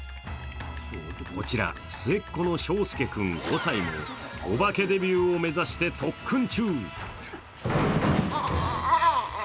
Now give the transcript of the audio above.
こちら、末っ子の翔将君５歳もお化けデビューを目指して特訓中。